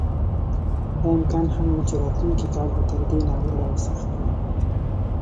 دا امکان هم و چې راتلونکی کال به تر دې ناوړه او سخت وای.